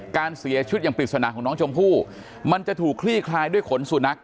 การเสียชีวิตอย่างปริศนาของน้องชมพู่มันจะถูกคลี่คลายด้วยขนสุนัข